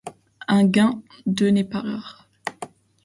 Un gain de n'est pas rare.